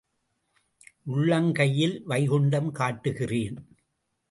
உள்ளங்கையில் வைகுண்டம் காட்டுகிறேன்.